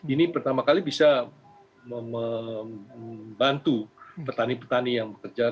ini pertama kali bisa membantu petani petani yang bekerja